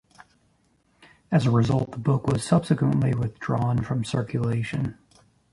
As a result, the book was subsequently withdrawn from circulation.